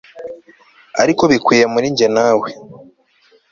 ariko bikwiye muri njye nawe